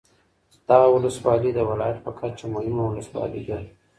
دغه ولسوالي د ولایت په کچه مهمه ولسوالي ده